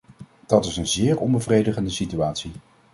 Dat is een zeer onbevredigende situatie.